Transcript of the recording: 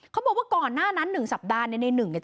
เขาบอกว่าก่อนหน้านั้น๑สัปดาห์ในนายหนึ่ง